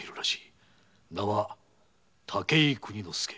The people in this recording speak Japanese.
名は武井邦之助。